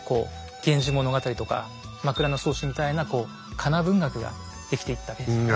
「源氏物語」とか「枕草子」みたいな仮名文学が出来ていったわけですよね。